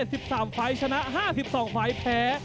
สวัสดีครับท้ายรับมวยไทยไฟเตอร์